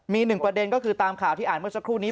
มีหนึ่งประเด็นก็คือตามข่าวที่อ่านเมื่อสักครู่นี้